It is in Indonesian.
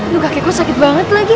lu kakekku sakit banget lagi